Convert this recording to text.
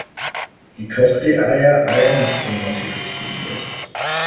Gekochte Eier eiern nicht, wenn man sie rotieren lässt.